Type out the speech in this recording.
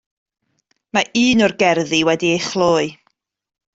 Mae un o'r gerddi wedi'i chloi.